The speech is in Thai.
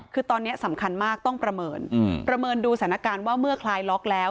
คือตอนนี้สำคัญมากต้องประเมินประเมินดูสถานการณ์ว่าเมื่อคลายล็อกแล้ว